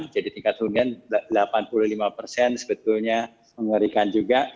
jadi tingkat keunggulan delapan puluh lima persen sebetulnya mengerikan juga